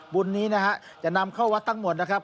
บุญนี้นะฮะจะนำเข้าวัดทั้งหมดนะครับ